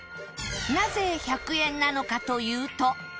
なぜ１００円なのかというと